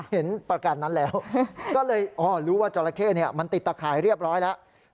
ก็เลยรู้ว่าจราเข้มันติดตะข่ายเรียบร้อยแล้ว